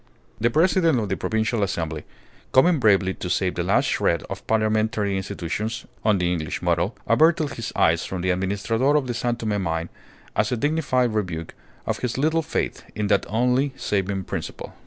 The President of the Provincial Assembly, coming bravely to save the last shred of parliamentary institutions (on the English model), averted his eyes from the Administrador of the San Tome mine as a dignified rebuke of his little faith in that only saving principle.